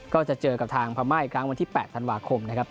ก็จะเจอกับทางพม่าอีกครั้งวันที่๘ธันวาคมนะครับ